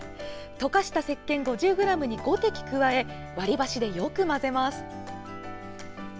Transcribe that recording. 溶かしたせっけん５０ｇに５滴加え、割り箸でよく混ぜます。